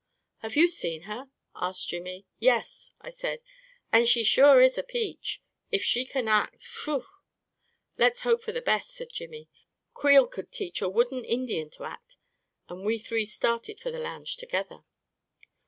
44 Have you seen her? " asked Jimmy. 44 Yes," I said; " and she sure is a peach. If she can act — phew !" 44 Let's hope for the best," said Jimmy. 44 Creel could teach a wooden Indian to act !" and we three started for the lounge together.